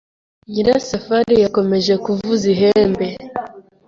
Nyirasafari yakomeje kuvuza ihembe.